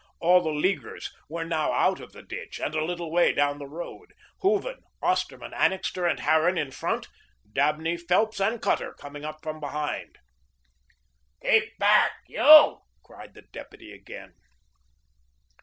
All the Leaguers were now out of the ditch, and a little way down the road, Hooven, Osterman, Annixter, and Harran in front, Dabney, Phelps, and Cutter coming up from behind. "Keep back, you," cried the deputy again.